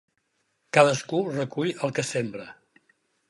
Cadascú recull el que sembra.